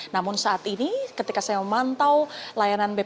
namun saat ini ketika saya memantau layanan bpj